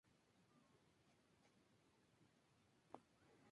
Hay tortugas de hábitat terrestre, marino y de agua dulce.